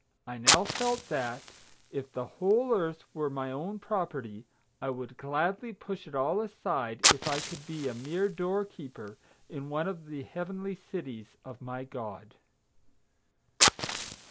I now felt that, if the whole Earth were my own property, I would gladly push it all aside if I could be a mere door keeper in one of the heavenly cities of my God.